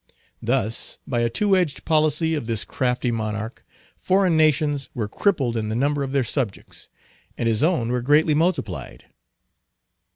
Thus, by a two edged policy of this crafty monarch, foreign nations were crippled in the number of their subjects, and his own were greatly multiplied.